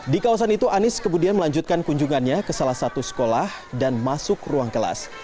di kawasan itu anies kemudian melanjutkan kunjungannya ke salah satu sekolah dan masuk ruang kelas